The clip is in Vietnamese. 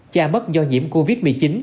cha mất do nhiễm covid một mươi chín